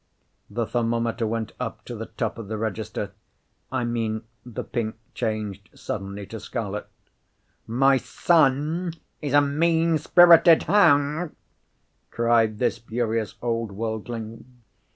The thermometer went up to the top of the register. I mean, the pink changed suddenly to scarlet. "My son is a mean spirited hound!" cried this furious old worldling.